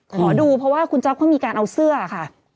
ขอดูเพราะว่าคุณจ๊อปเขามีการเอาเสื้อค่ะ